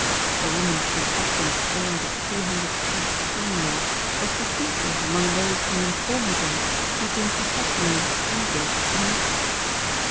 A woman whose husband owned a two hundred feet steam yacht was distinctly among those whom in former days he had been professionally eager to meet.